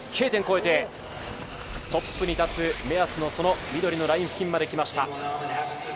Ｋ点越えてトップに立つ目安の緑のライン付近まで来ました。